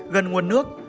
gần nguồn nước